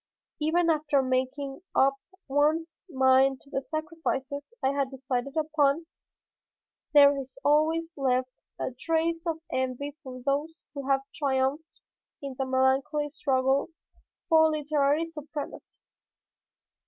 Even after making up one's mind to the sacrifices I had decided upon, there is always left a trace of envy for those who have triumphed in the melancholy struggle for literary supremacy.